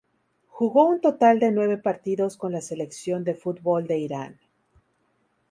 Jugó un total de nueve partidos con la selección de fútbol de Irán.